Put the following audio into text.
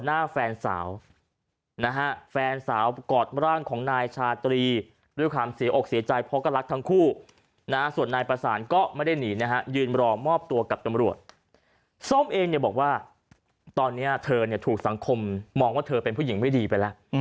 หน้าแฟนสาวนะฮะแฟนสาวกอดร่างของนายชาตรีด้วยความเสียอกเสียใจเพราะก็รักทั้งคู่นะส่วนนายประสานก็ไม่ได้หนีนะฮะยืนรอมอบตัวกับตำรวจส้มเองเนี่ยบอกว่าตอนนี้เธอเนี่ยถูกสังคมมองว่าเธอเป็นผู้หญิงไม่ดีไปแล้ว